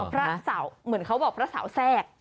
พระสาวเหมือนเขาบอกพระสาวแทรก